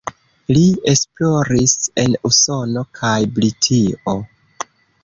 Li esploris en Usono kaj Britio.